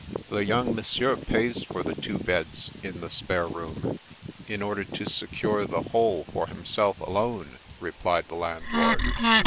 " The young monsieur pays for the two beds in 114 The Princess Passes the spare room, in order to secure the whole for himself alone," replied the landlord.